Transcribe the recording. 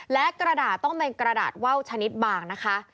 และกระดาษต้องเป็นกระดาษว่าวชนิดบางนะคะ